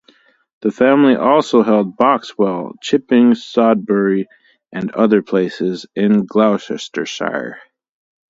The family also held Boxwell, Chipping Sodbury and other places in Gloucestershire.